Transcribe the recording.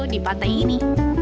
di pantai ini